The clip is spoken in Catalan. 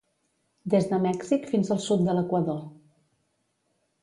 Des de Mèxic fins al sud de l'Equador.